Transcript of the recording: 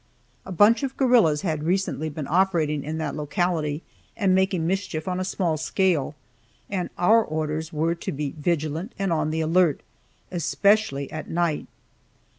A bunch of guerrillas had recently been operating in that locality, and making mischief on a small scale, and our orders were to be vigilant and on the alert, especially at night.